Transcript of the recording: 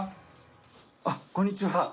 あっこんにちは。